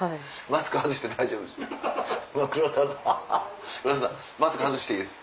マスク外していいです。